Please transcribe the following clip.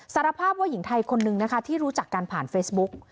สารภาพว่าหญิงไทยคนนึงนะคะที่รู้จักกันผ่านเฟซบุ๊ก